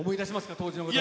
当時のことは。